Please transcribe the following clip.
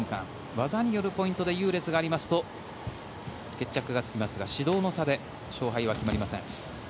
技によるポイントで優劣がありますと決着がつきますが指導の差で決着はつきません。